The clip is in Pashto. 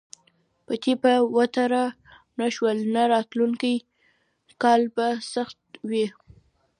پټي به وتره نه شول نو راتلونکی کال به سخت وي.